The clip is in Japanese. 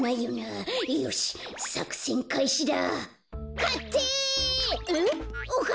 よし！